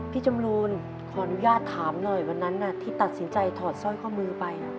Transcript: จำรูนขออนุญาตถามหน่อยวันนั้นที่ตัดสินใจถอดสร้อยข้อมือไป